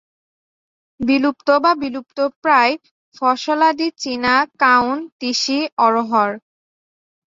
বিলুপ্ত বা বিলুপ্তপ্রায় ফসলাদি চিনা, কাউন, তিসি, অড়হর।